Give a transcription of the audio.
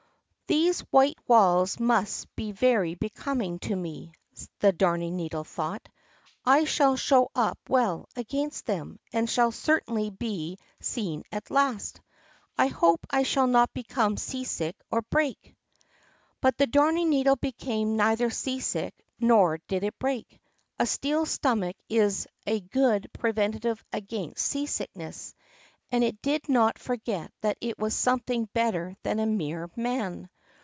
"These white walls must be very becoming to me," the Darning needle thought. "I shall show up well against them, and shall certainly be seen at last. I hope I shall not become seasick or break." But the Darning needle became neither seasick, nor did it break. A steel stomach is a good preventive against seasickness; and it did not forget that it was something better than a mere man.